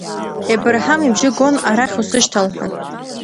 Ебырҳам ибжьы гон, арахь усышьҭал ҳәа.